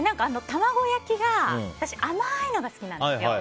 卵焼きが私、甘いのが好きなんですよ。